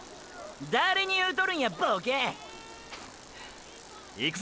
⁉誰に言うとるんやボケ！！いくぞ！！